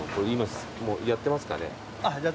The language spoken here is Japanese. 今もうやってますかね？